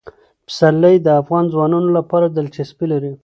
پسرلی د افغان ځوانانو لپاره دلچسپي لري.